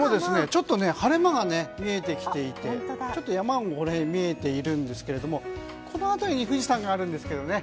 ちょっと晴れ間が見えてきていてちょっと山も見えているんですけどこの辺りに富士山があるんですけどね。